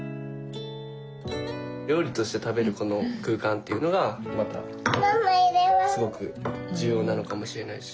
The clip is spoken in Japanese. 料理として食べるこの空間というのがまたすごく重要なのかもしれないし。